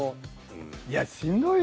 いやしんどいよ。